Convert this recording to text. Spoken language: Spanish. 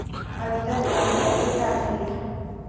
Habita en el norte de África, Argelia.